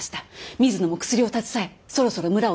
水野も薬を携えそろそろ村を出立する頃かと。